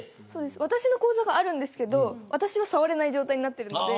私の口座があるんですけれど私は触れない状態になっているので。